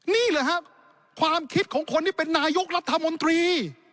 นี่แหละครับความคิดของคนที่เป็นนายกรัฐมนตรี